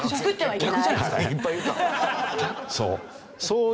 そう。